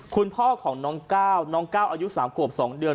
คุณพ่อของน้องก้าวน้องก้าวอายุ๓ขวบ๒เดือน